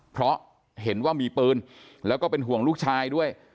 เพราะเห็นว่ามีปืนแล้วก็เป็นห่วงลูกชายด้วย